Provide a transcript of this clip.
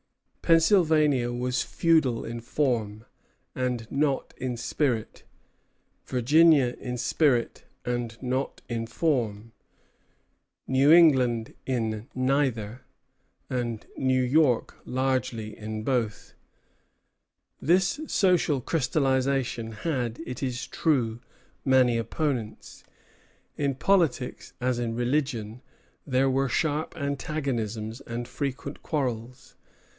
Pennsylvania was feudal in form, and not in spirit; Virginia in spirit, and not in form; New England in neither; and New York largely in both. This social crystallization had, it is true, many opponents. In politics, as in religion, there were sharp antagonisms and frequent quarrels.